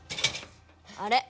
あれ？